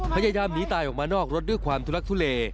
พยายามหนีตายออกมานอกรถด้วยความทุลักทุเล